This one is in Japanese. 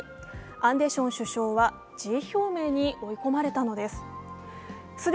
アンデション首相は辞意表明に追い込まれたのです。